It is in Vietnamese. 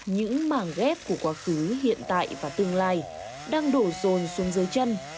những mảng ghép của quá khứ hiện tại và tương lai đang đổ rồn xuống dưới chân